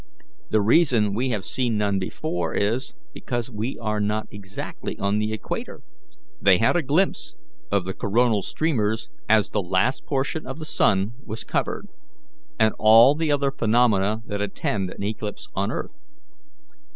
The reason we have seen none before is, because we are not exactly on the equator." They had a glimpse of the coronal streamers as the last portion of the sun was covered, and all the other phenomena that attend an eclipse on earth.